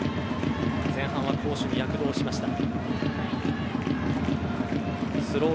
前半は攻守に躍動しました。